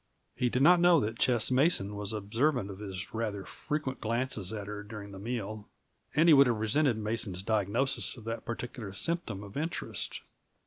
He did not know that Ches Mason was observant of his rather frequent glances at her during the meal, and he would have resented Mason's diagnosis of that particular symptom of interest.